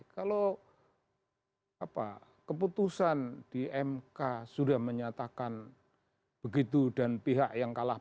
kalau keputusan di mk sudah menyatakan begitu dan pihak yang kalah